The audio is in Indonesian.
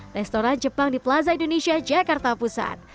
restoran jepang di plaza indonesia jakarta pusat